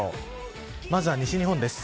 まずは西日本です。